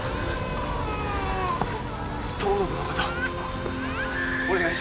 友宣の事お願いします。